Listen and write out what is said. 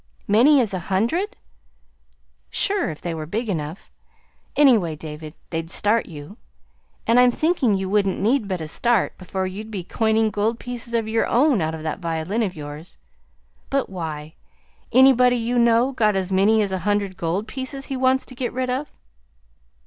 "Many as a hundred?" "Sure if they were big enough. Anyway, David, they'd start you, and I'm thinking you wouldn't need but a start before you'd be coining gold pieces of your own out of that violin of yours. But why? Anybody you know got as 'many as a hundred' gold pieces he wants to get rid of?"